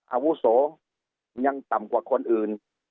อาวุโสยังต่ำกว่าคนอื่น